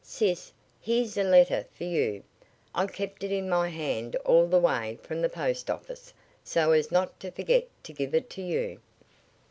"Sis, here's a letter for you. I kept it in my hand all the way from the post office so as not to forget to give it to you."